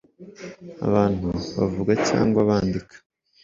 abantu bavuga cyangwa bandika,